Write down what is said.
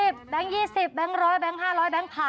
แบงก์๒๐แบงก์๑๐๐แบงก์๕๐๐แบงก์๑๐๐๐